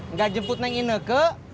nggak jemput naik ini ke